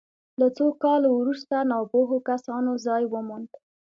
له څو کالو وروسته ناپوهو کسانو ځای وموند.